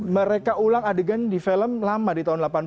mereka ulang adegan di film lama di tahun seribu sembilan ratus delapan puluh